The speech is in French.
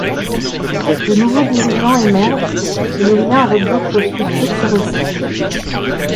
De nouveaux dirigeants émergent et les liens avec d’autres structures se resserrent.